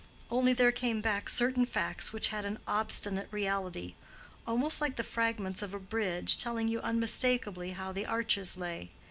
Only there came back certain facts which had an obstinate reality, almost like the fragments of a bridge, telling you unmistakably how the arches lay.